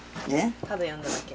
ただ呼んだだけ。